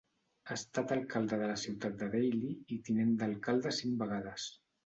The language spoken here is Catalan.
Ha estat alcalde de la ciutat de Daly i tinent d'alcalde cinc vegades.